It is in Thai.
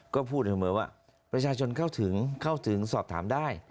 ก็พูดเสมอว่าประชาชนเข้าถึงเข้าถึงสอบถามได้